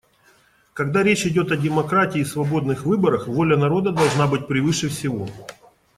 Когда речь идет о демократии и свободных выборах, воля народа должна быть превыше всего.